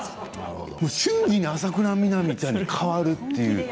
瞬時に浅倉南ちゃんに変わるという。